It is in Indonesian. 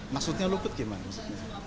maksudnya lukut gimana